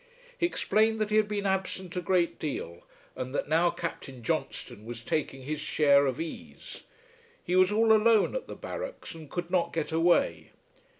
He explained that he had been absent a great deal, and that now Captain Johnstone was taking his share of ease. He was all alone at the barracks, and could not get away.